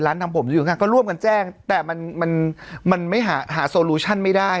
ร้านทางผมอยู่ข้างก็ร่วมกันแจ้งแต่มันมันมันไม่หาหาไม่ได้